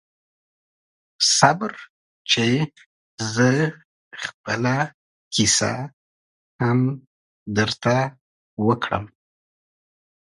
صبر چې زه خپله کیسه هم درته وکړم